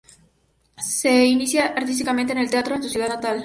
Se inicia artísticamente en el Teatro, en su ciudad natal.